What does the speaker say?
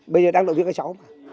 bây giờ đang đội viên các cháu mà